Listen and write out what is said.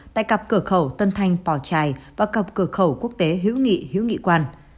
tại cặp cửa khẩu tân thanh pò trài và cặp cửa khẩu quốc tế hữu nghị hữu nghị quan